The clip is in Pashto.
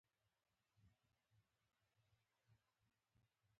پر ځايي حکومتونو یې ډېر لږ کنټرول درلود.